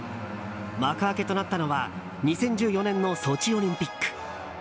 幕開けとなったのは２０１４年のソチオリンピック。